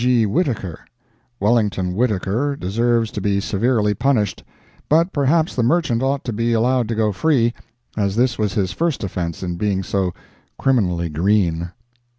G. Whittaker. Wellington Whittaker deserves to be severely punished, but perhaps the merchant ought to be allowed to go free, as this was his first offence in being so criminally green.